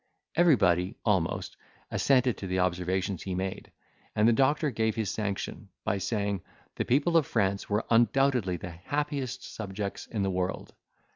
Everybody, almost, assented to the observations he made, and the doctor gave his sanction, by saying, the people of France were undoubtedly the happiest subjects in the world.